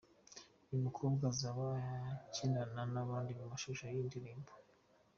Uyu mukobwa azaba akinana n'abandi mu mashusho y'iyi ndirimbo.